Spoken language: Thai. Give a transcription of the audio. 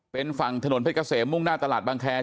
เป็นฝั่งถนนเพชรเกษมมุ่งหน้าตลาดบางแคร์